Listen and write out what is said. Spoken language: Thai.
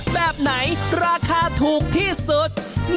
แบบไหนราคาถูกที่สุด